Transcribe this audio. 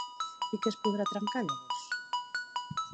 I què es podrà trencar llavors?